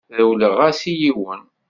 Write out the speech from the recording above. Rewleɣ-as i yiwen.